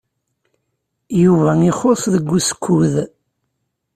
Yuba ixuṣṣ deg usekkud.